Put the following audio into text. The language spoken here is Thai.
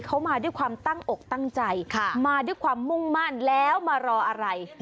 เขามาด้วยความตั้งอกตั้งใจมาด้วยความมุ่งมั่นแล้วมารออะไร